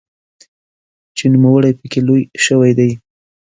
چې نوموړی پکې لوی شوی دی.